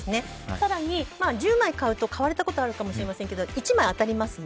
更に、１０枚買うと買われたことがあると思いますが１枚は当たりますね。